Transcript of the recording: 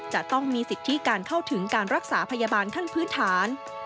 จะต้องมีสิทธิการเข้าถึงการรักษาพยาบาลขั้นพื้นฐาน